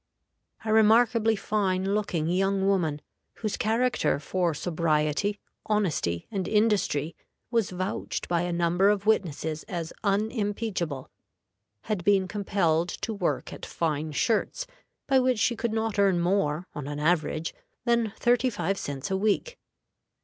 A remarkably fine looking young woman, whose character for sobriety, honesty, and industry was vouched by a number of witnesses as unimpeachable, had been compelled to work at fine shirts, by which she could not earn more, on an average, than thirty five cents a week.